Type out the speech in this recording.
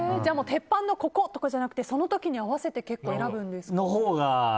鉄板のここ！とかじゃなくてその時に合わせてそのほうが。